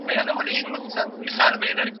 خپلي اړیکي به په باور باندي جوړوئ.